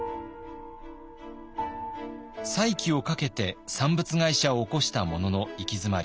再起をかけて産物会社を興したものの行き詰まり